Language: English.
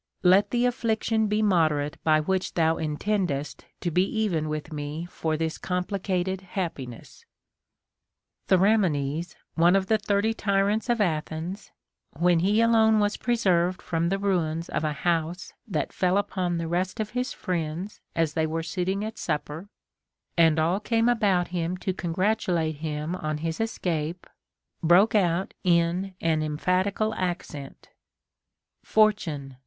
let the affliction be moderate by which thou intendest to be even with me for this compli cated happiness. Theramenes, one of the thirty tyrants of Athens, when he alone was preserved from the ruins of a house that fell upon the rest of his friends as they were sitting at supper, and all came about him to congratulate him on his escape, — broke out in an emphatical accent, Fortune!